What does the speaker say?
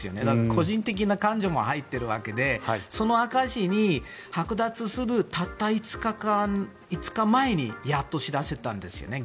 個人的な感情も入っているわけでその証しにはく奪するたった５日前にやっと知らせたんですよね